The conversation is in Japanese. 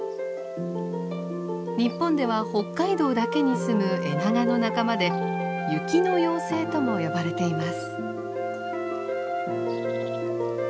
日本では北海道だけに住むエナガの仲間で雪の妖精とも呼ばれています。